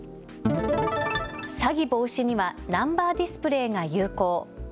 詐欺防止にはナンバーディスプレーが有効。